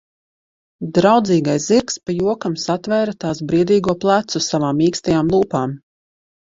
Draudzīgais zirgs pa jokam satvēra tās briedīgo plecu savām mīkstajām lūpām.